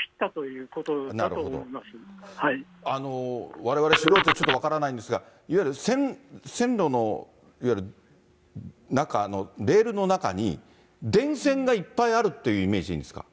われわれ、素人でちょっと分からないんですが、いわゆる線路の中のレールの中に、電線がいっぱいあるというイメージでいいんですか？